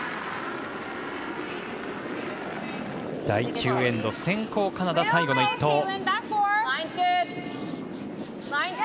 第９エンド、先攻のカナダ最後の一投。